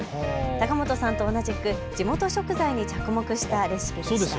高本さんと同じく地元食材に着目したレシピでした。